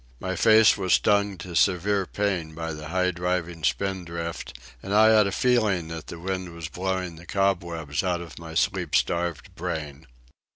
My face was stung to severe pain by the high driving spindrift, and I had a feeling that the wind was blowing the cobwebs out of my sleep starved brain.